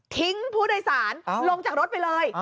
ผู้โดยสารลงจากรถไปเลย